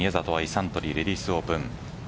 サントリーレディスオープン。